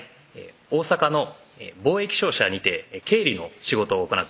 大阪の貿易商社にて経理の仕事を行っています